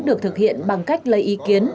được thực hiện bằng cách lấy ý kiến